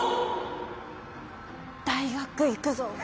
「大学行くぞ！」。